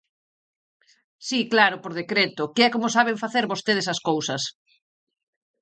Si, claro, por decreto, que é como saben facer vostedes as cousas.